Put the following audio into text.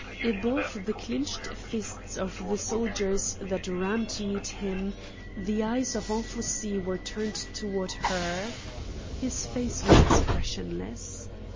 Above the clenched fists of the soldiers that ran to meet him, the eyes of Anfossi were turned toward her. His face was expressionless.